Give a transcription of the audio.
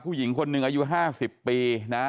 ผู้หญิงคนหนึ่งอายุ๕๐ปีนะ